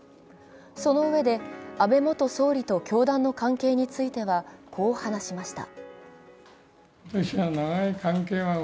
そのうえで、安倍元総理と教団の関係については、こう話しました。